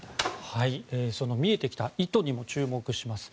その見えてきた意図にも注目します。